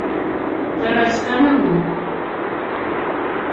toroch kame ng'ung'